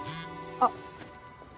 あっ。